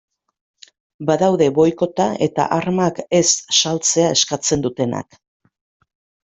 Badaude boikota eta armak ez saltzea eskatzen dutenak.